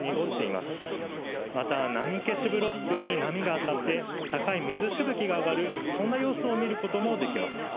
また、波消しブロックに波が当たって、高い水しぶきが上がる、そんな様子を見ることもできます。